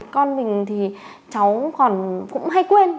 con mình thì cháu còn cũng hay quên